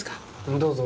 どうぞ。